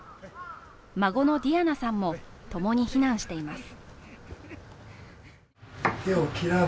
孫のディアナさんも共に避難しています。